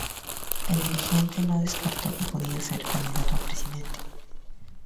El dirigente no descartó que podría ser candidato a Presidente.